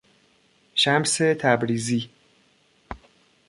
شمس تبریزی